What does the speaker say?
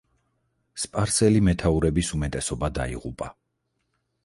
სპარსელი მეთაურების უმეტესობა დაიღუპა.